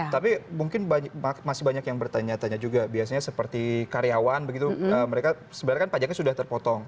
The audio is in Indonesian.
tapi mungkin masih banyak yang bertanya tanya juga biasanya seperti karyawan begitu mereka sebenarnya kan pajaknya sudah terpotong